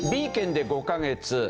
Ｂ県で５カ月Ｃ